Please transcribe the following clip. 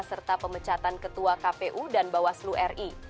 serta pemecatan ketua kpu dan bawaslu ri